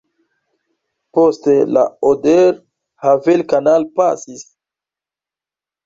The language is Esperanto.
Poste la Oder-Havel-Kanal pasis.